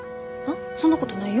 そんなことないよ。